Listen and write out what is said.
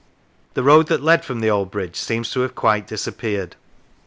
The road that led from the old bridge seems to have quite disappeared.